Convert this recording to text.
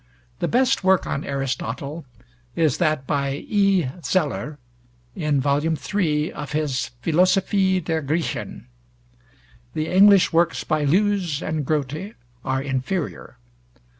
The best work on Aristotle is that by E. Zeller, in Vol. iii. of his 'Philosophie der Griechen.' The English works by Lewes and Grote are inferior.